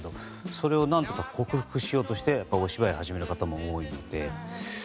それを、何とか克服しようとしてお芝居を始める方も多いので。